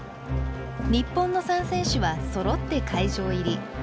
日本の３選手はそろって会場入り。